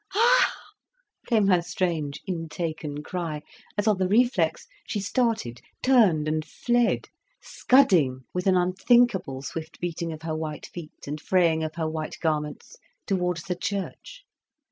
"Ah h h!" came her strange, intaken cry, as, on the reflex, she started, turned and fled, scudding with an unthinkable swift beating of her white feet and fraying of her white garments, towards the church.